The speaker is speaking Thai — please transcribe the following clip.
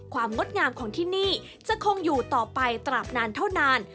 งดงามของที่นี่จะคงอยู่ต่อไปตราบนานเท่านาน